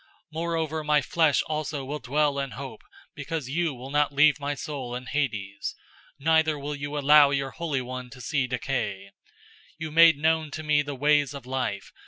Moreover my flesh also will dwell in hope; 002:027 because you will not leave my soul in Hades{or, Hell}, neither will you allow your Holy One to see decay. 002:028 You made known to me the ways of life.